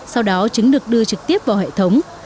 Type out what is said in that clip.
sau đó chính được đưa trực tiếp vào hệ thống